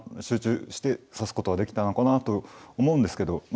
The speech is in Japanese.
集中して指すことができたのかなと思うんですけど